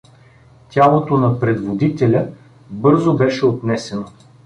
Тялото на предводителя бързо беше отнесено.